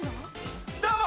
どうも！